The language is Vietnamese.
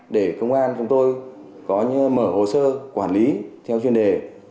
để công an chúng tôi có mở hồ sơ quản lý theo chuyên đề